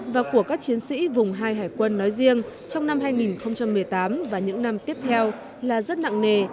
và của các chiến sĩ vùng hai hải quân nói riêng trong năm hai nghìn một mươi tám và những năm tiếp theo là rất nặng nề